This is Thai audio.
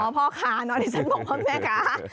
นั่นเป็นพ่อค้านี่ฉันบอกพ่อแม่ค้า